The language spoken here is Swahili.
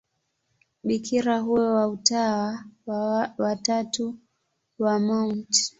Bikira huyo wa Utawa wa Tatu wa Mt.